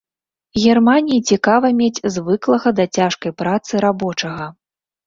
Германіі цікава мець звыклага да цяжкай працы рабочага.